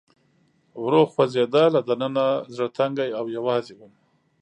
ورو خوځېده، له دننه زړه تنګی او یوازې ووم.